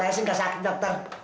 saya sih nggak sakit dokter